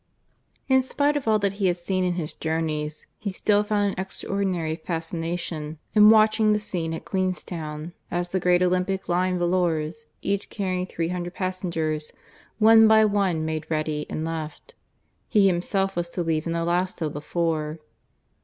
(II) In spite of all that he had seen in his journeys, he still found an extraordinary fascination in watching the scene at Queenstown, as the great Olympic line volors, each carrying three hundred passengers, one by one made ready and left. He himself was to leave in the last of the four.